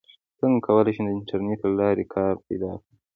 څنګه کولی شم د انټرنیټ له لارې کار پیدا کړم